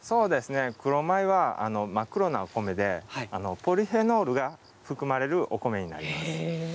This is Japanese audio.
黒米は真っ黒なお米でポリフェノールが含まれるお米になります。